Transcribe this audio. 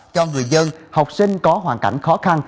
cho người dân học sinh có hoàn cảnh khó khăn